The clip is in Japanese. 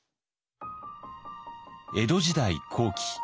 江戸時代後期。